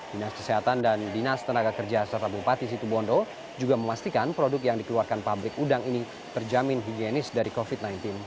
dinas kesehatan dan dinas tenaga kerja serta bupati situbondo juga memastikan produk yang dikeluarkan pabrik udang ini terjamin higienis dari covid sembilan belas